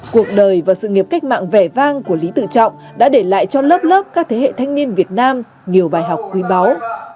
cuộc đời và sự nghiệp cách mạng vẻ vang của lý tự trọng đã để lại cho lớp lớp các thế hệ thanh niên việt nam nhiều bài học quý báu